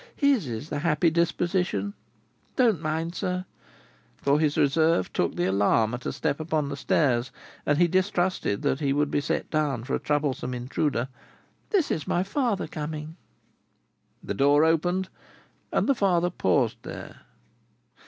"His is the happy disposition!—Don't mind, sir!" For his reserve took the alarm at a step upon the stairs, and he distrusted that he would be set down for a troublesome intruder. "This is my father coming." The door opened, and the father paused there.